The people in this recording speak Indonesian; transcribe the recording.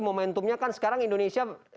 momentumnya kan sekarang indonesia